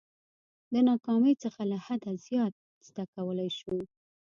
د ناکامۍ څخه له حده زیات زده کولای شو.